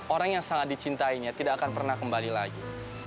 orang yang sangat dicintainya tidak akan pernah kembali lagi